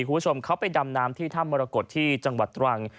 คุณผู้ชมเขาไปดำน้ำที่ถ้ำมรกฏที่จังหวัดตรัง